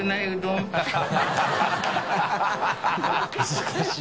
難しい。